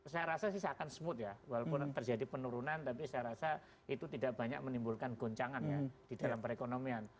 saya rasa sih seakan smooth ya walaupun terjadi penurunan tapi saya rasa itu tidak banyak menimbulkan goncangan ya di dalam perekonomian